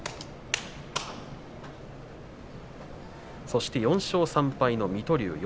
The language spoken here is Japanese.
そして４勝３敗の水戸龍です。